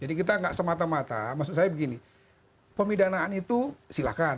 jadi kita nggak semata mata maksud saya begini pemidanaan itu silakan